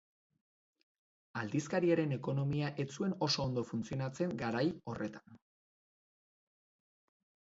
Aldizkariaren ekonomia ez zuen oso ondo funtzionatzen garai horretan.